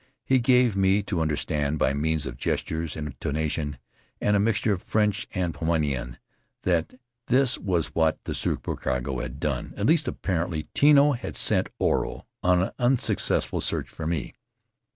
He gave me to understand, by means of gestures, intonation, and a mixture of French and Paumotuan, that this was what the supercargo had done. At last, apparently, Tino had sent Oro on an unsuccessful search for me.